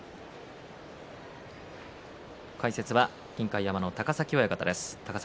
解説は金開山の高崎親方です。